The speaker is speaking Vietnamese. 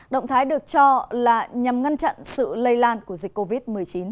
động thái được cho là nhằm ngăn chặn sự lây lan của dịch covid một mươi chín